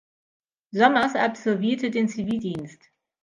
Sommers absolvierte den Zivildienst.